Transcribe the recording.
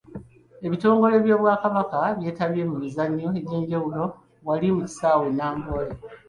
Ebitongole by'Obwakabaka byetabye mu mizannyo egyenjawulo wali mu kisaawe e Namboole.